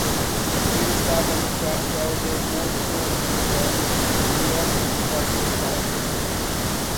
Ele estava no quartel de Montolivet e logo embarcou para Cuba.